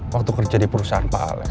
waktu kerja di perusahaan pak alex